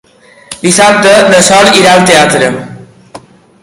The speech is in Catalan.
Dissabte na Sol irà al teatre.